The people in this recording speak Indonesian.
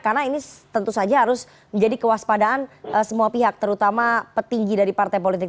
karena ini tentu saja harus menjadi kewaspadaan semua pihak terutama petinggi dari partai politik